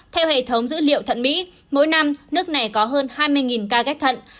theo hệ thống dữ liệu thận mỹ mỗi năm nước này có hơn hai mươi ca ghép thận